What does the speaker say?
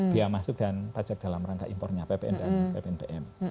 dia masuk dan pacat dalam rangka impornya ppn dan ppn pm